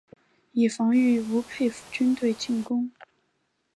以防御吴佩孚军队进攻。